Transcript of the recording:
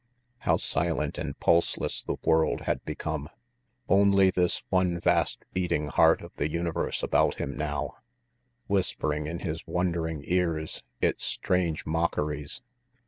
How silent and pulseless the world had become! Only this one vast beating heart of the universe about him now, whispering in his wondering ears its strange mockeries.